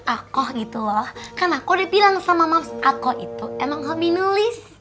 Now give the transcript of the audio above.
aku gitu loh kan aku udah bilang sama mams aku itu emang nggak mau dinulis